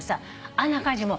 あんな感じ。